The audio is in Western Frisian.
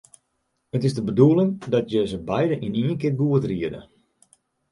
It is de bedoeling dat je se beide yn ien kear goed riede.